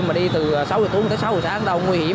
mà đi từ sáu h tối tới sáu h sáng đâu nguy hiểm